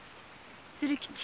鶴吉